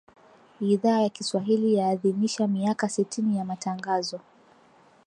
Idhaa ya Kiswahili yaadhimisha miaka sitini ya Matangazo